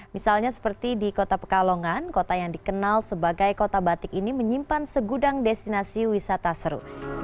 misalnya seperti di kota pekalongan kota yang dikenal sebagai kota batik ini menyimpan segudang destinasi wisata seru